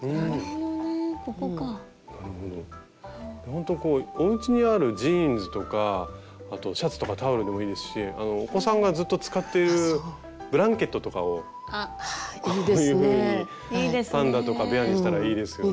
ほんとこうおうちにあるジーンズとかシャツとかタオルでもいいですしお子さんがずっと使っているブランケットとかをこういうふうにパンダとかベアにしたらいいですよね。